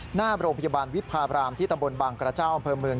หน้าโรงพยาบาลวิพาบรามที่ตำบลบางกระเจ้าอำเภอเมือง